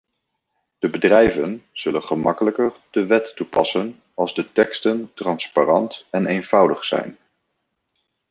De bedrijven zullen gemakkelijker de wet toepassen als de teksten transparant en eenvoudig zijn.